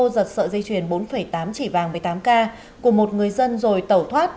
giật sợi dây chuyền bốn tám chỉ vàng một mươi tám k của một người dân rồi tẩu thoát